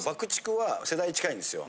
−ＴＩＣＫは世代近いんですよ。